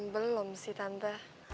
belum sih tante